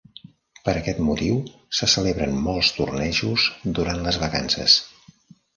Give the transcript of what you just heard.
Per aquest motiu se celebren molts tornejos durant les vacances.